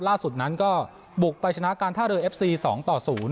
ล่าสุดนั้นก็บุกไปชนะการท่าเรือเอฟซี๒ต่อ๐